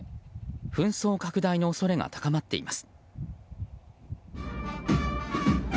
紛争拡大の恐れが高まっています。